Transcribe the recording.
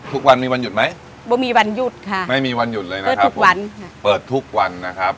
ทุกวันมีวันหยุดไหมไม่มีวันหยุดค่ะเปิดทุกวันเปิดทุกวันนะครับ